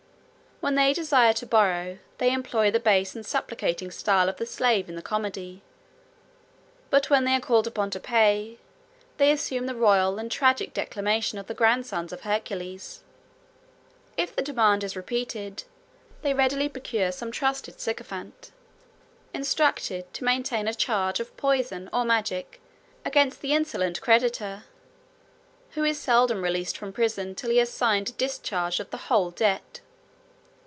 When they desire to borrow, they employ the base and supplicating style of the slave in the comedy; but when they are called upon to pay, they assume the royal and tragic declamation of the grandsons of Hercules. If the demand is repeated, they readily procure some trusty sycophant, instructed to maintain a charge of poison, or magic, against the insolent creditor; who is seldom released from prison, till he has signed a discharge of the whole debt.